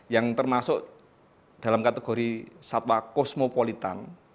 yang termasuk dalam kategori satwa kosmopolitan